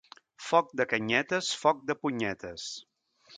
Foc de canyetes, foc de punyetes.